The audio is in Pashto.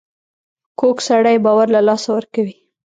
کوږ سړی باور له لاسه ورکوي